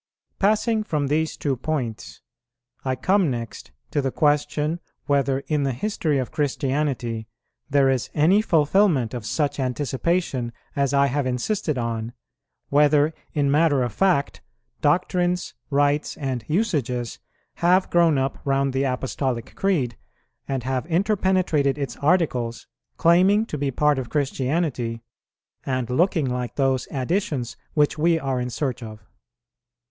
Passing from these two points, I come next to the question whether in the history of Christianity there is any fulfilment of such anticipation as I have insisted on, whether in matter of fact doctrines, rites, and usages have grown up round the Apostolic Creed and have interpenetrated its Articles, claiming to be part of Christianity and looking like those additions which we are in search of.